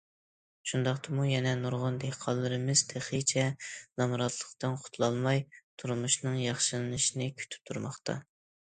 شۇنداقتىمۇ يەنە نۇرغۇن دېھقانلىرىمىز تېخىچە نامراتلىقتىن قۇتۇلالماي، تۇرمۇشىنىڭ ياخشىلىنىشىنى كۈتۈپ تۇرماقتا.